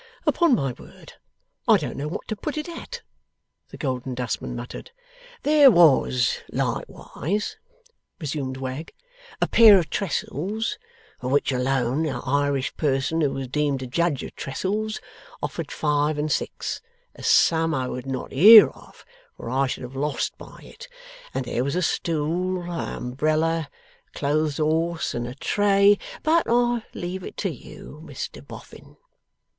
'Upon my word, I don't know what to put it at,' the Golden Dustman muttered. 'There was likewise,' resumed Wegg, 'a pair of trestles, for which alone a Irish person, who was deemed a judge of trestles, offered five and six a sum I would not hear of, for I should have lost by it and there was a stool, a umbrella, a clothes horse, and a tray. But I leave it to you, Mr Boffin.